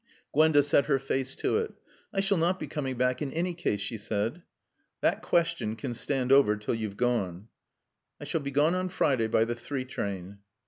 Gwenda set her face to it. "I shall not be coming back in any case," she said. "That question can stand over till you've gone." "I shall be gone on Friday by the three train."